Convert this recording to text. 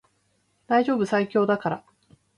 大丈夫最強だから